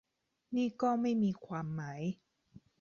นี่ก็ไม่มีความหมาย